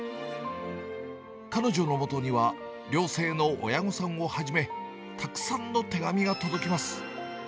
彼女の下には、寮生の親御さんをはじめ、たくさんの手紙が届きます。